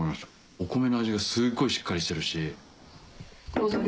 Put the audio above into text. お米の味がすごいしっかりしてるし。